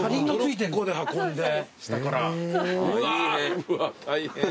うわ！大変。